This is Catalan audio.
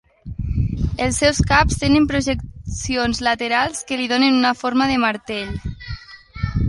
Els seus caps tenen projeccions laterals que li donen una forma de martell.